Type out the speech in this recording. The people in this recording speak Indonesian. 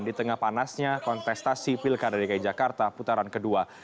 di tengah panasnya kontestasi pilkada dki jakarta putaran kedua